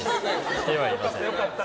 してはいません。